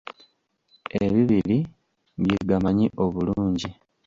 Ebibiri bye gamanyi obulungi.